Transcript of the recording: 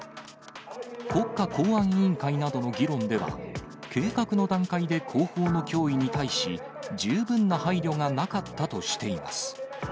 国家公安委員会などの議論では、計画の段階で後方の脅威に対し十分な配慮がなかったとしています。